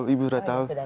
ibu sudah tahu